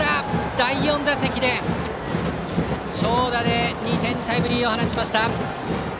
第４打席で長打で２点タイムリーを放ちました。